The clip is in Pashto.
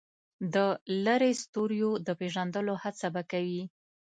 د لرې ستوریو د پېژندلو هڅه به کوي.